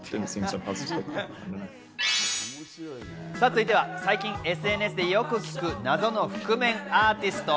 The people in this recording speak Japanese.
続いては最近ＳＮＳでよく聞く謎の覆面アーティスト。